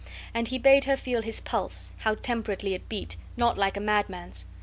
And he bade her feel his pulse, how temperately it beat, not like a madman's.